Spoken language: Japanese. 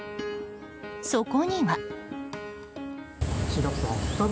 そこには。